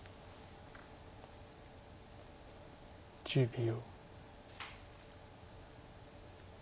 １０秒。